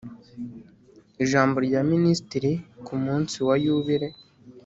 ijambo rya minisitiri ku munsi wa yubile